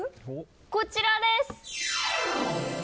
こちらです。